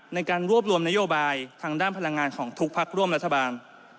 ในการรวบรวมนโยบายทางด้านพลังงานของทุกพักร่วมรัฐบาล